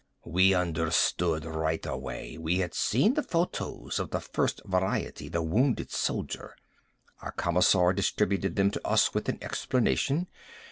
We understood right away. We had seen the photos of the First Variety, the Wounded Soldier. Our Commissar distributed them to us with an explanation.